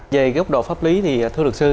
về góc độ pháp lý thì thưa luật sư